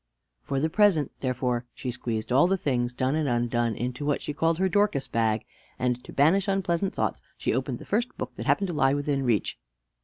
For the present, therefore, she squeezed all the things, done and undone, into what she called her "Dorcas bag;" and to banish unpleasant thoughts, she opened the first book that happened to lie within reach.